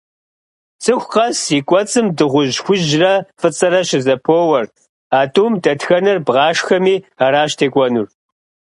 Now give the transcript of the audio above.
Цӏыху къэс и кӏуэцӏым дыгъужь хужьрэ фӏыцӏэрэ щызэпоуэр. А тӏум дэтхэнэр бгъашхэми, аращ текӏуэнур.